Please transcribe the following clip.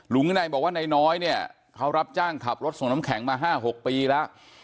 วินัยบอกว่านายน้อยเนี่ยเขารับจ้างขับรถส่งน้ำแข็งมา๕๖ปีแล้ว